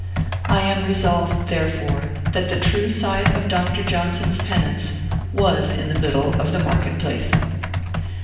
I am resolved, therefore, that the true site of Dr. Johnson's penance was in the middle of the market place.